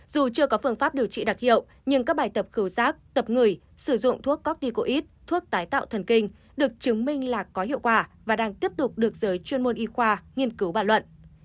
dù chưa có phương pháp điều trị đặc hiệu nhưng các bài tập khảo rác tập người sử dụng thuốc corticoid thuốc tái tạo thần kinh được chứng minh là có hiệu quả và đang tiếp tục được giới chuyên môn y khoa nghiên cứu bàn luận